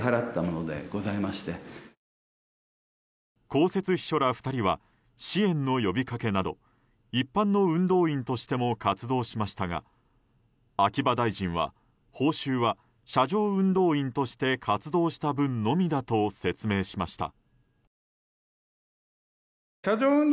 公設秘書ら２人は支援の呼びかけなど一般の運動員としても活動しましたが秋葉大臣は報酬は車上運動員として活動した分のみだと説明しました。